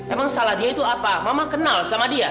emang salah dia itu apa mama kenal sama dia